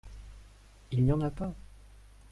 Il n’y en a pas !…